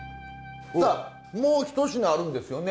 さあもうひと品あるんですよね？